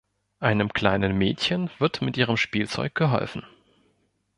Einem kleinen Mädchen wird mit ihrem Spielzeug geholfen.